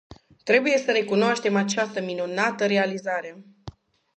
Trebuie să recunoaștem această minunată realizare.